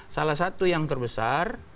salah satu yang terbesar